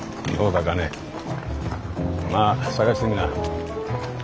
まあ探してみな。